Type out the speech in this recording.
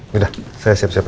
sudah saya siap siap